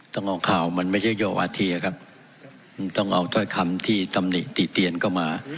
ต้องเอาข่าวมันไม่ใช่โยอาเทียครับต้องเอาถ้อยคำที่ตำหนิติเตียนเข้ามา